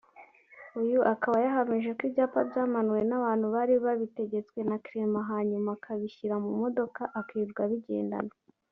uyu akaba yahamije ko ibyapa byamanuwe n’abantu bari babitegetswe na Clement hanyuma akabishyira mu modoka akirirwa abigendana